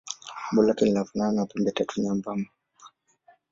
Umbo lake linafanana na pembetatu nyembamba.